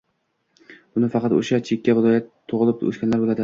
Buni faqat o‘sha – chekka viloyatda tug‘ilib-o‘sganlar biladi.